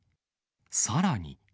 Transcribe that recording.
さらに。